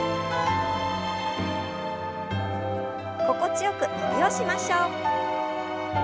心地よく伸びをしましょう。